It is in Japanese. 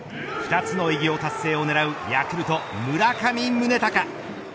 ２つの偉業達成を狙うヤクルト、村上宗隆。